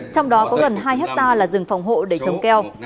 trong đó có gần hai hectare là rừng phòng hộ đầy trống keo